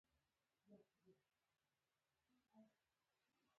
نیک ماد خیاط او میرزا منان دواړه د راډیو څښتنان وو.